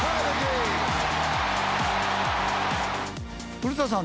古田さん